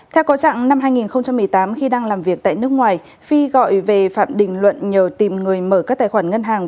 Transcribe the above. theo có trạng năm hai nghìn một mươi tám khi đang làm việc tại nước ngoài phi gọi về phạm đình luận nhờ tìm người mở các tài khoản ngân hàng